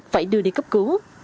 phải đưa đi cấp cứu